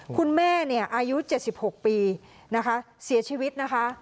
คุณแม่เนี้ยอายุเจ็ดสิบหกปีนะคะเสียชีวิตนะคะ